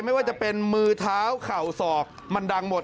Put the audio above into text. ไม่ว่าจะเป็นมือเท้าเข่าศอกมันดังหมด